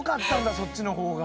そっちの方が。